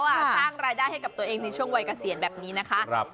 สร้างรายได้ให้กับตัวเองในช่วงวัยเกษียณแบบนี้นะคะ